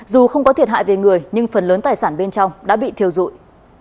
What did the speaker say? dù không có thiệt hại về người nhưng phần lớn tài sản bên trong đã bị thiêu dụi